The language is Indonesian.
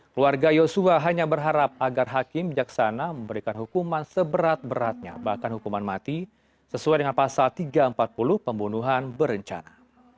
keluarga yosua hanya berharap agar hakim bijaksana memberikan hukuman seberat beratnya bahkan hukuman mati sesuai dengan pasal tiga ratus empat puluh pembunuhan berencana